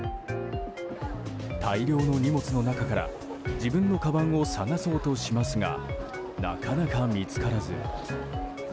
大量の荷物の中から自分のかばんを探そうとしますがなかなか見つからず。